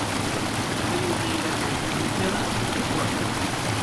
The city was named after Umatilla, Oregon.